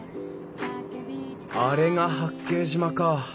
あれが八景島か。